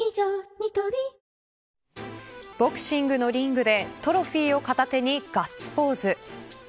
ニトリボクシングのリングでトロフィーを片手にガッツポーズ。